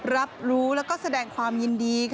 รับรู้แล้วก็แสดงความยินดี